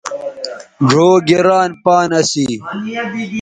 ڙھؤ گران پان اسی